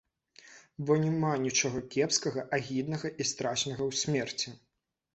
Бо няма нічога кепскага, агіднага і страшнага ў смерці.